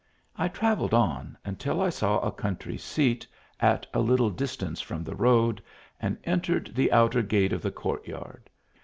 I travelled on until I saw a country seat, at a little distance from the road, and entered the outer gate of the court yard.